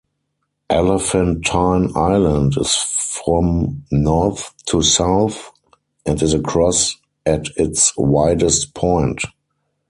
Elephantine island is from north to south, and is across at its widest point.